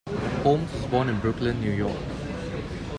Holmes was born in Brooklyn, New York.